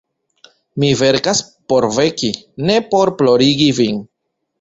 Mi verkas por veki, ne por plorigi vin.